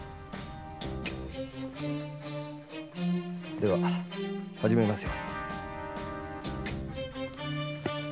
では始めますよ。